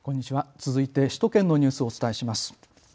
続いて首都圏のニュースをお伝えします。